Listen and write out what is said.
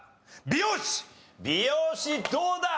美容師どうだ？